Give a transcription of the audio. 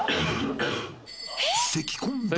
［せきこんだ。